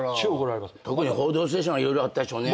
特に『報道ステーション』は色々あったでしょうね。